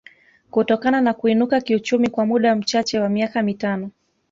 kutokana na kuinuka kiuchumi kwa muda mchache wa miaka mitano